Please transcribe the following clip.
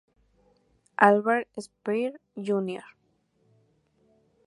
Albert Speer Jr.